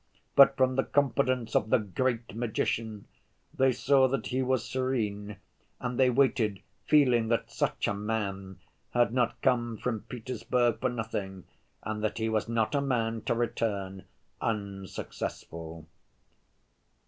But from the confidence of the "great magician" they saw that he was serene, and they waited, feeling that "such a man" had not come from Petersburg for nothing, and that he was not a man to return unsuccessful.